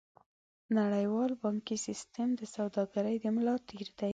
نړیوال بانکي سیستم د سوداګرۍ د ملا تیر دی.